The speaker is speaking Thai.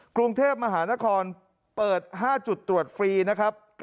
กรุงเทพมหานครเปิด๕จุดตรวจฟรีนะครับ